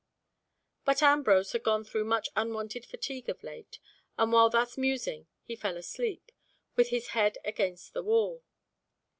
But Ambrose had gone through much unwonted fatigue of late, and while thus musing he fell asleep, with his head against the wall.